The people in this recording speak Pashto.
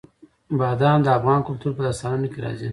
بادام د افغان کلتور په داستانونو کې راځي.